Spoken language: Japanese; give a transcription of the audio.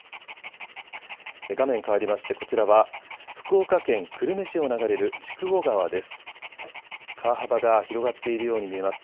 画面かわりましてこちらは、福岡県久留米市を流れる筑後川です。